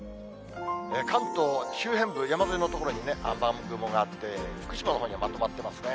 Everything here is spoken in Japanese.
関東周辺部、山沿いの所に雨雲があって、福島のほうにはまとまってますね。